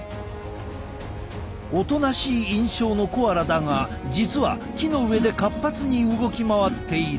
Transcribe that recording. おとなしい印象のコアラだが実は木の上で活発に動き回っている。